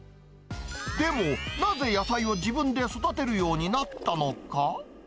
でも、なぜ野菜を自分で育てるようになったのか。